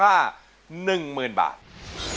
สมาธิพร้อมเพลงที่๑เพลงมาครับ